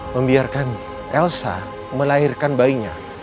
membiarkan elsa melahirkan bayinya